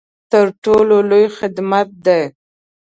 تر ټولو لوی خدمت دی.